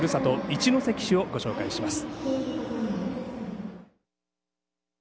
一関市を紹介します。